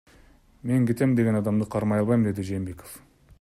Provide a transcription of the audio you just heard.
Мен кетем деген адамды кармай албайм, — деди Жээнбеков.